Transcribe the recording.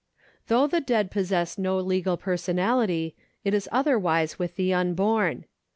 Though the dead possess no legal personality, it is other wise with the unborn.